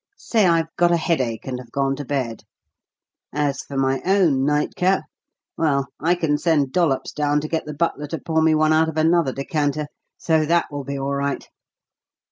Say I've got a headache, and have gone to bed. As for my own 'night cap' well, I can send Dollops down to get the butler to pour me one out of another decanter, so that will be all right.